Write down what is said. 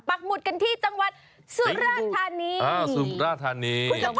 ปักหมุดกันที่จังหวัดสุราธารณี